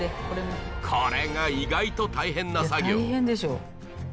これが意外と大変な作業